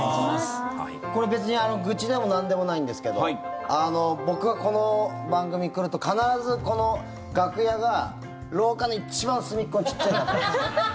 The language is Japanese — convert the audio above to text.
これ別に愚痴でもなんでもないんですけど僕がこの番組に来ると必ず楽屋が廊下の一番隅っこのちっちゃい楽屋なんですね。